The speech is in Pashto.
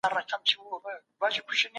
موږ ته په کار ده چي د مځکي سرچیني وساتو.